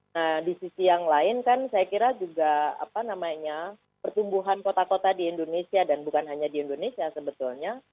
nah di sisi yang lain kan saya kira juga apa namanya pertumbuhan kota kota di indonesia dan bukan hanya di indonesia sebetulnya